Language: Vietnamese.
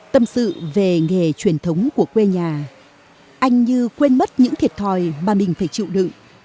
tâm sự về nghề truyền thống của quê nhà anh như quên mất những thiệt thòi mà mình phải chịu đựng